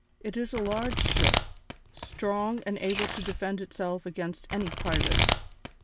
It is a large ship, strong and able to defend itself against any pirates.